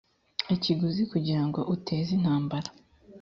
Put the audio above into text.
ikiguzi kugira ngo uteze intambara